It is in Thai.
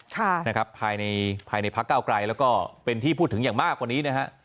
ค่ะนะครับภายในภายในพักเก้าไกลแล้วก็เป็นที่พูดถึงอย่างมากกว่านี้นะฮะ